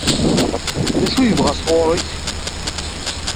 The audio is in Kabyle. D acu i yebɣa sɣur-k?